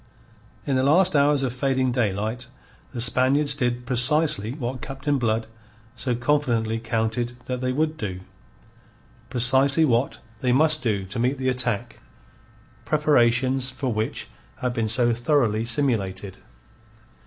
In the last hours of fading daylight, the Spaniards did precisely what Captain Blood so confidently counted that they would do precisely what they must do to meet the attack, preparations for which had been so thoroughly simulated.